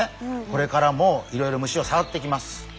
これからもいろいろ虫をさわっていきます。